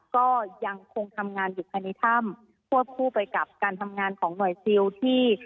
ก็ยังคงทำงานอยู่ภายในถ้ำควบคู่ไปกับการทำงานของหน่วยซิลที่